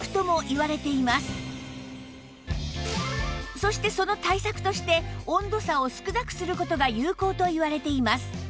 そしてその対策として温度差を少なくする事が有効といわれています